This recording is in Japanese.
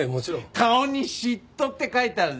顔に「嫉妬」って書いてあるぞ。